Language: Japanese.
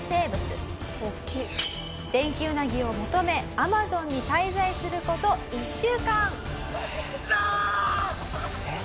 「デンキウナギを求めアマゾンに滞在する事１週間」